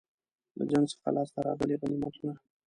له جنګ څخه لاسته راغلي غنیمتونه.